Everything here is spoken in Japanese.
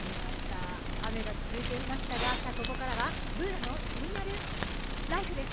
雨が続いていましたがここからは「ＢｏｏｎａのキニナルＬＩＦＥ」です。